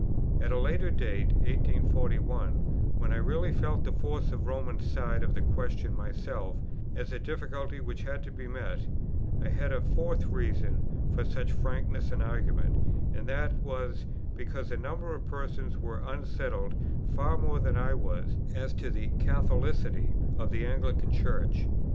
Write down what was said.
At a later date, (1841,) when I really felt the force of the Roman side of the question myself, as a difficulty which had to be met, I had a fourth reason for such frankness in argument, and that was, because a number of persons were unsettled far more than I was, as to the Catholicity of the Anglican Church.